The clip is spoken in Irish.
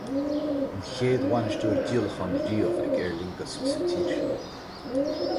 An chéad bhainisteoir díolacháin riamh ag Aer Lingus sa tír sin.